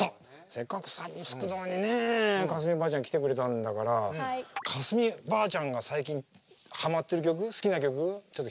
せっかく「サブスク堂」にね架純ばあちゃん来てくれたんだから架純ばあちゃんが最近ハマってる曲好きな曲ちょっと聴かせてよ。